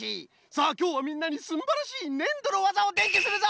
さあきょうはみんなにすんばらしいねんどのわざをでんじゅするぞ！